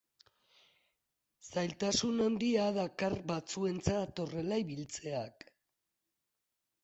Zailtasun handia dakar batzuentzat horrela ibiltzeak.